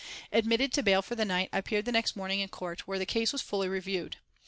Admitted to bail for the night, I appeared next morning in court, where the case was fully reviewed.